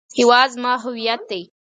هیواد زما هویت دی